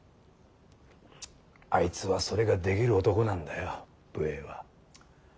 あいつはそれができる男なんだよ武衛は。